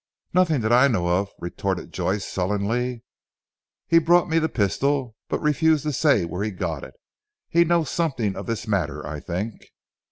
"Nothing, that I know of," retorted Joyce sullenly. "He brought me the pistol, but refused to say where he got it. He knows something of this matter I think."